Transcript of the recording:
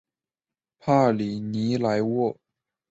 帕里尼莱沃。